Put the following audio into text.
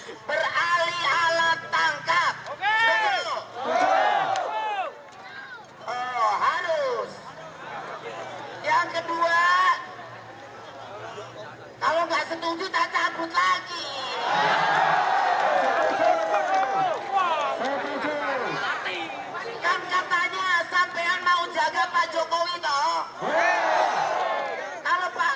kan katanya sampean mau jaga pak jokowi toh